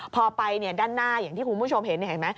พอไปด้านหน้าอย่างที่คุณผู้ชมเห็น